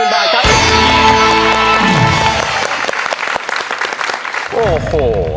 ๑๐๐๐บาทโอ้โห